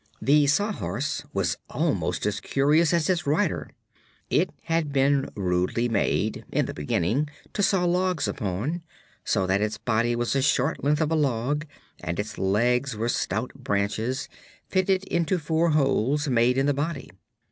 The Sawhorse was almost as curious as its rider. It had been rudely made, in the beginning, to saw logs upon, so that its body was a short length of a log, and its legs were stout branches fitted into four holes made in the body.